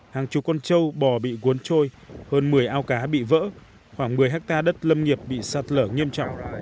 hàng chục con trâu bò bị cuốn trôi hơn một mươi ao cá bị vỡ khoảng một mươi hectare đất lâm nghiệp bị sạt lở nghiêm trọng